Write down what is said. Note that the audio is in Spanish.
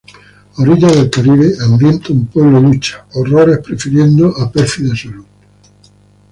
A orillas del caribe hambriento un pueblo lucha, horrores prefiriendo a pérfida salud.